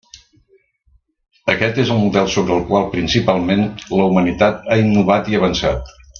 Aquest és el model sobre el qual principalment la humanitat ha innovat i avançat.